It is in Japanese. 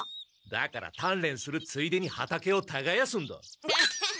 だからたんれんするついでに畑をたがやすんだ。